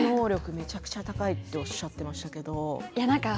めちゃくちゃ高いとおっしゃってましたけれども。